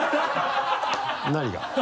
何が？